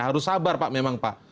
harus sabar pak memang pak